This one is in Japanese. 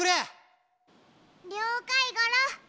りょうかいゴロ。